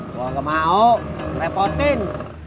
gua gak mau repotin